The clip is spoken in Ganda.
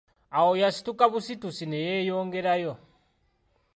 Awo yasituka busitusi ne yeeyongerayo.